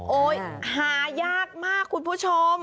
หายากมากคุณผู้ชม